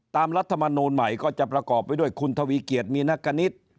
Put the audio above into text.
รัฐมนูลใหม่ก็จะประกอบไปด้วยคุณทวีเกียจมีนักกนิต